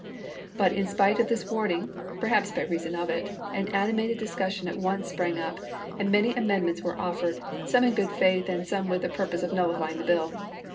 But in spite of this warn ing, perhaps by reason of it, an animated discussion at once sprang up and many amendments were offered, some in good faith, and some with the pur pose of nullifying the bill.